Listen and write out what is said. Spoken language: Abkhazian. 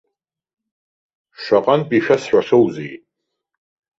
Шаҟантә ишәасҳәахьоузеи.